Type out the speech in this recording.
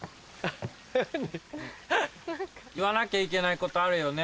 言わなきゃいけないことあるよね。